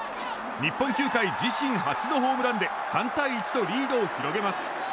日本球界自身初のホームランで３対１とリードを広げます。